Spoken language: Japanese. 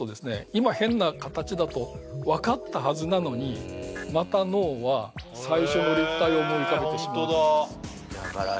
今変な形だと分かったはずなのにまた脳は最初の立体を思い浮かべてしまうんですへえ